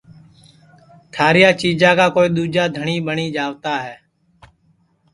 تھاریا چیجا کا کوئی دؔوجا دھٹؔی ٻٹؔی جاوت ہے